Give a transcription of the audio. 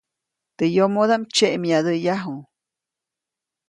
Teʼ yomodaʼm tsyeʼmyadäyaju.